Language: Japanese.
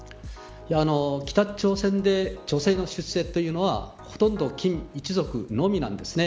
北朝鮮で女性の出世というのはほとんど金一族のみなんです。